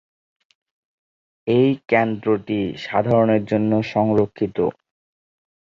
এই কেন্দ্রটি সাধারণ-এর জন্য সংরক্ষিত।